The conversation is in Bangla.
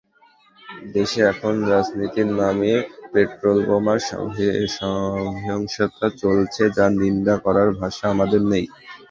দেশে এখন রাজনীতির নামে পেট্রলবোমার সহিংসতা চলছে, যার নিন্দা করার ভাষা আমাদের নেই।